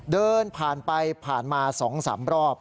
เดินผ่านไปผ่านมา๒๓รอบ